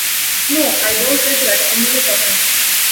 No, I don't regret a minute of it.